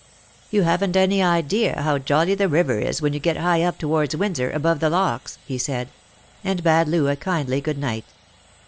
" You haven't any idea how jolly the river is, when you get high up towards Windsor, above the locks," he said, and bade Loo a kindly good night.